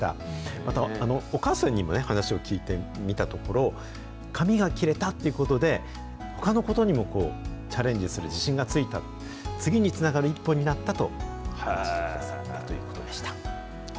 また、お母さんにもね、話を聞いてみたところ、髪が切れたっていうことで、ほかのことにもチャレンジする自信がついた、次につながる一歩になったと話してくださったということでした。